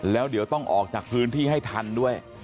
แล้วเดี๋ยวต้องออกจากพื้นที่ให้ทันด้วย